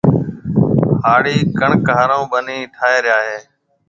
هاڙِي ڪڻڪ هارون ٻنِي ٺاهيَ ريا هيَ۔